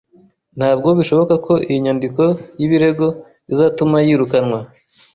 Ntabwo bishoboka ko iyi nyandiko y'ibirego izatuma yirukanwa